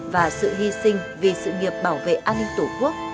và sự hy sinh vì sự nghiệp bảo vệ an ninh tổ quốc